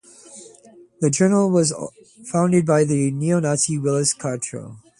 The journal was founded by the neo-Nazi Willis Carto.